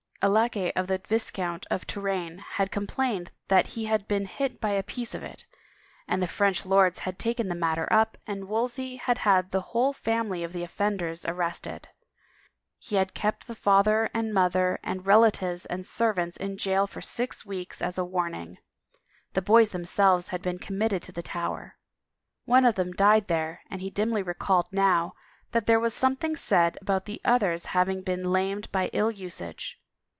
A laquay of the Viscount de Touraine. had complained that he had been hit by a piece of it, and the French lords had taken the matter up and Wolsey had had the whole family 6f the offenders arrested. He had kept the father and mother and relatives and servants in jail for six weeks, as a warning ; the boys themselves had been committed to the Tower. One of them died there and he dimly recalled now that there was something said about the other's hav ing been lamed by ill usage.